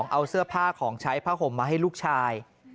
เอาเสื้อผ้าของใช้ผ้าห่มมาให้ลูกชาย